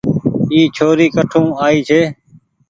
اي ڇوري ڪٺو آئي ڇي۔